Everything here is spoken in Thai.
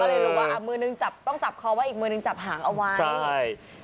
ก็เลยรู้ว่าอ่ะมือนึงจับต้องจับคอไว้อีกมือนึงจับหางเอาไว้ใช่